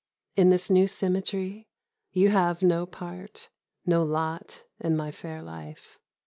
In this new symmetry you have no part, No lot in my fair life.